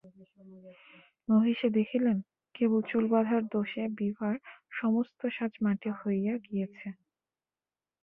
মহিষী দেখিলেন, কেবল চুল বাঁধার দোযে বিভার সমস্ত সাজ মাটি হইয়া গিয়াছে।